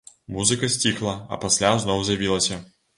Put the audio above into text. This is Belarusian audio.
Музыка сціхла, а пасля зноў з'явілася.